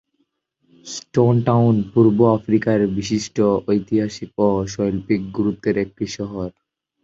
Stone Town পূর্ব আফ্রিকার বিশিষ্ট ঐতিহাসিক ও শৈল্পিক গুরুত্বের একটি শহর।